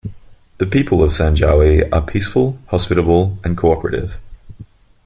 The People of Sanjawi are peaceful, hospitable, and co operative.